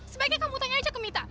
sebagai kamu tanya aja ke mita